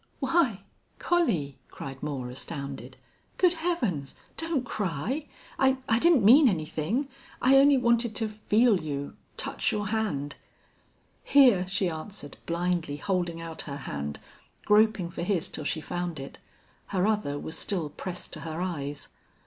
"Why Collie!" cried Moore, astounded. "Good Heavens! Don't cry! I I didn't mean anything. I only wanted to feel you touch your hand." "Here," she answered, blindly holding out her hand, groping for his till she found it. Her other was still pressed to her eyes.